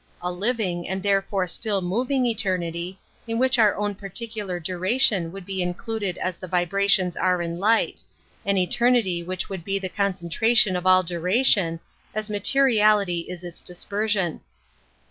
A living, and therefore still moving eternity in which onr own particular duration would be included as the vibra tions are in light; an eternity which would be the concentration of all duration, as materiality is its dispersion.